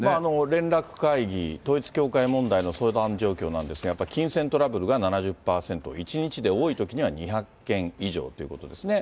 連絡会議、統一教会問題の相談状況なんですが、やっぱり金銭トラブルが７０％、１日で多いときには２００件以上ということですね。